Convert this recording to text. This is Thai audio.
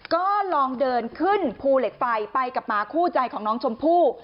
ก็ลองเดินขึ้นภูเหล็กไฟไปกับหมาคู่ใจของน้องชมพู่